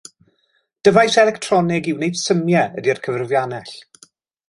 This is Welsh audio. Dyfais electronig i wneud symiau ydy'r cyfrifiannell.